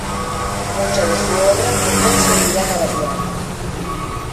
Mucha de su obra fue concebida para piano.